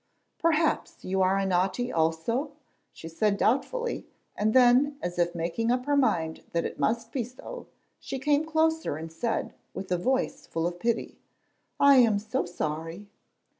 "Perhaps you are naughty also?" she said doubtfully, and then, as if making up her mind that it must be so, she came closer and said, with a voice full of pity: "I am so sorry."